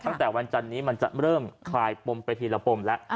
ตั้งแต่วันจันนี้มันจะเริ่มคลายปมไปทีละปมแล้ว